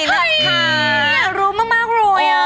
เฮ้ยอารมณ์มากรวย